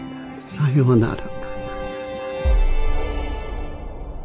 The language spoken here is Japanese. さようなら。